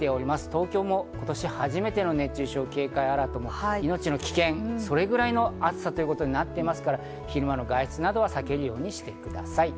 東京も今年初めての熱中症警戒アラート、命の危険、それぐらいの暑さということになっていますから、昼間の外出などは避けるようにしてください。